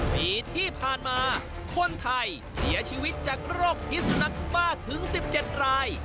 ปีที่ผ่านมาคนไทยเสียชีวิตจากโรคพิษสุนักบ้าถึง๑๗ราย